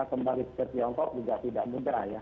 kembali ke tiongkok juga tidak mudah ya